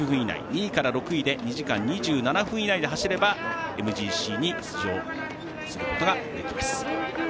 ２位から６位で２時間２７分以内で走ればＭＧＣに出場することができます。